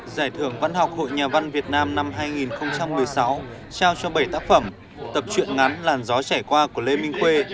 giải thưởng văn học hội nhà văn việt nam năm hai nghìn một mươi sáu trao cho bảy tác phẩm tập chuyện ngắn làn gió trải qua của lê minh khuê